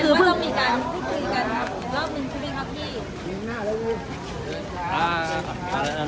ส่วนพี่สังคมที่ได้มีการผู้ใหญ่ในภาพนะครับ